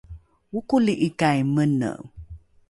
okoli’ikai mene?